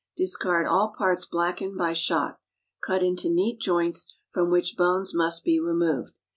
Discard all parts blackened by shot. Cut into neat joints, from which bones must be removed.